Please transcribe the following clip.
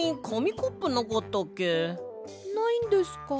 ないんですか？